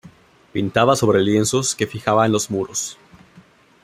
Pintaba sobre lienzos que fijaba en los muros.